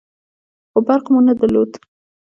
خو برق مو نه درلود.